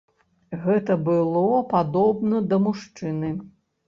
Гэта было падобна да мужчыны.